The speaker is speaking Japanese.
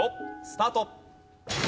スタート！